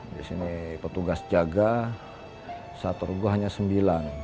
di sini petugas jaga satu rugoh hanya sembilan